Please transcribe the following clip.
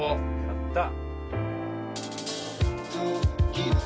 やった！